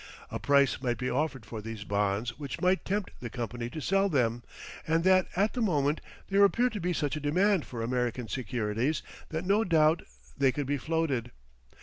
A price might be offered for these bonds which might tempt the company to sell them, and that at the moment there appeared to be such a demand for American securities that no doubt they could be floated.